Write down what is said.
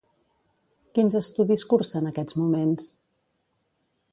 Quins estudis cursa en aquests moments?